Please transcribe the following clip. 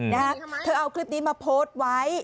นะฮะเธอเอาคลิปนี้มาโพสต์ไว้